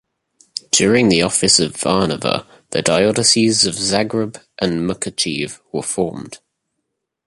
During the office of Varnava, the dioceses of Zagreb and Mukacheve were formed.